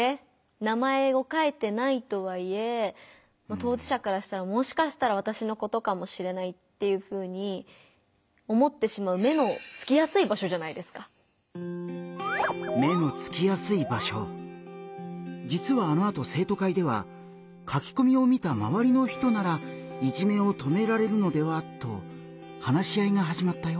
名前を書いてないとはいえ当事者からしたらもしかしたらわたしのことかもしれないっていうふうに思ってしまうじつはあのあと生徒会では「書きこみを見た周りの人ならいじめを止められるのでは」と話し合いがはじまったよ。